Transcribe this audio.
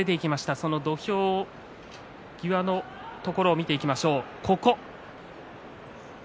その土俵際のいいところ見ていきましょう。